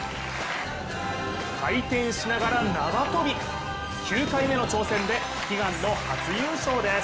回転しながら縄跳び、９回目の挑戦で悲願の初優勝です。